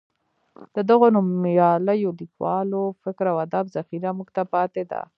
د دغو نومیالیو لیکوالو فکر او ادب ذخیره موږ ته پاتې ده.